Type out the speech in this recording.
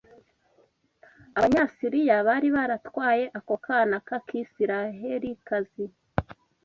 Abanyasiriya bari baratwaye ako kana k’Akisirayelikazi